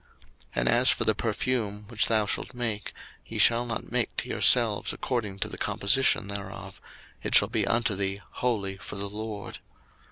02:030:037 And as for the perfume which thou shalt make, ye shall not make to yourselves according to the composition thereof: it shall be unto thee holy for the LORD.